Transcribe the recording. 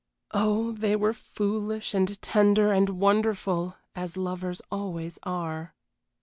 Oh, they were foolish and tender and wonderful, as lovers always are.